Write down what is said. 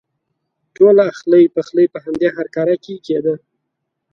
ټول اخلی پخلی په همدې هرکاره کې کېده.